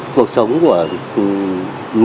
cuộc sống của anh em